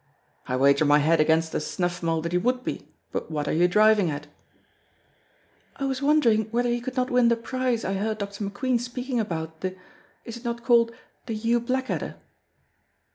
"I wager my head against a snuff mull that he would be, but what are you driving at?" "I was wondering whether he could not win the prize I heard Dr. McQueen speaking about, the is it not called the Hugh Blackadder?"